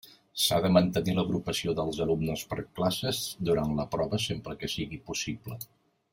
S'ha de mantenir l'agrupació dels alumnes per classes durant la prova, sempre que sigui possible.